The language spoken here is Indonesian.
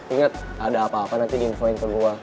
ingat ada apa apa nanti diinfoin ke gue